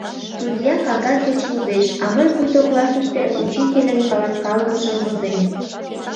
Судья кагаз гыч лудеш, а мый пуйто классыште учительын каласкалымыжым возем...